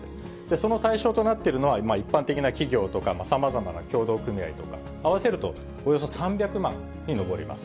その対象となっているのは、一般的な企業とか、さまざまな協同組合とか、合わせるとおよそ３００万円に上ります。